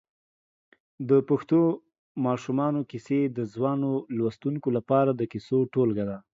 د پښتو ماشومانو کیسې د ځوانو لوستونکو لپاره د کیسو ټولګه ده.